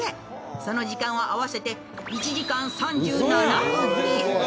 その時間は合わせて１時間３７分に。